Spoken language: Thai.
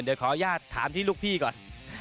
เดี๋ยวขออนุญาตถามที่ลูกพี่ก่อน